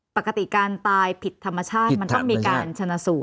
ปกติการตายผิดธรรมชาติมันต้องมีการชนะสูตร